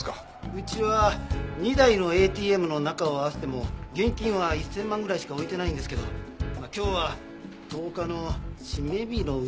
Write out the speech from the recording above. うちは２台のＡＴＭの中を合わせても現金は１０００万ぐらいしか置いてないんですけど今日は１０日の締め日の上。